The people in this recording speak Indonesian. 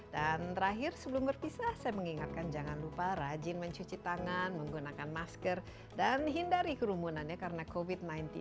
dan terakhir sebelum berpisah saya mengingatkan jangan lupa rajin mencuci tangan menggunakan masker dan hindari kerumunannya karena covid sembilan belas